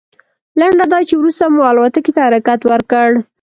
لنډه دا چې وروسته مو الوتکې ته حرکت وکړ.